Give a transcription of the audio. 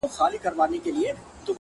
• د قیامت نښانې دغه دي ښکاریږي ,